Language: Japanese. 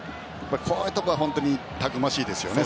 こういうところはたくましいですよね。